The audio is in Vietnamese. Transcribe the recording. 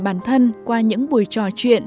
bản thân qua những buổi trò chuyện